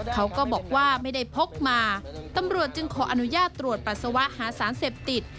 เขาก็บอกว่าไม่ได้พกมาตำรวจจึงขออนุญาตตรวจปัสสาวะหาสารเสพติด